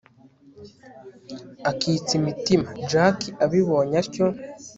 akitsa imitima jack abibonye atyo